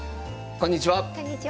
こんにちは。